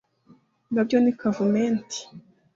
nabyo ni kavumenti :